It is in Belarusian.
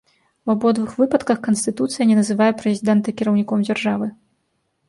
У абодвух выпадках канстытуцыя не называе прэзідэнта кіраўніком дзяржавы.